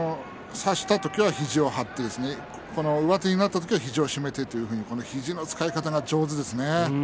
差した時は肘を張って上手になった時は肘を締めてというその肘の使い方が上手ですね。